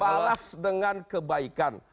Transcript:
balas dengan kebaikan